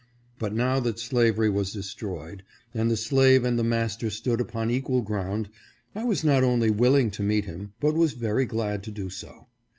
But now that slavery was destroyed, and the slave and the master stood upon equal ground, I was not only will ing to meet him, but was very glad to do so.